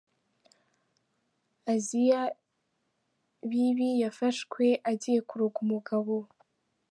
Assia Bibi yafashwe agiye kuroga umugabo.